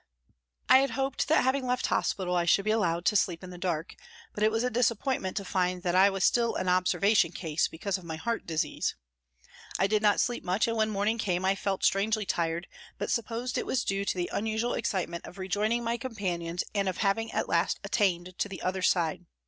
I had hoped that having left hospital I should be allowed to sleep in the dark, but it was a disappoint ment to find I was still an " observation case " because of my " heart disease." I did not sleep much and when morning came I felt strangely tired, but supposed it was due to the unusual excitement of rejoining my companions and of having at last attained to " the other side."